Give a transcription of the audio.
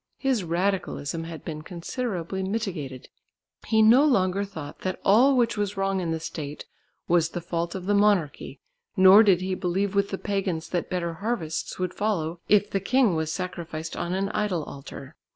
His radicalism had been considerably mitigated; he no longer thought that all which was wrong in the state was the fault of the monarchy, nor did he believe with the pagans that better harvests would follow if the king was sacrificed on an idol altar.